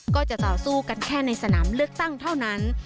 ก็จะต่อสู้กันแค่ในสนามเลือกตั้งเท่านั้น